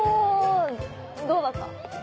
どうだった？